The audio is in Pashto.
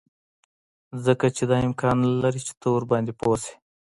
ځکه چې دا امکان نلري چې ته ورباندې پوه شې